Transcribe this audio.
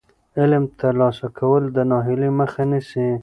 علم ترلاسه کول د ناهیلۍ مخه نیسي.